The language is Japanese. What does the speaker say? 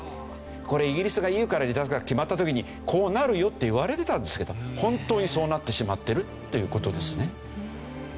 これイギリスがＥＵから離脱が決まった時にこうなるよっていわれてたんですけど本当にそうなってしまってるっていう事ですね。